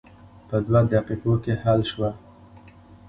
په دوه دقیقو کې حل شوه.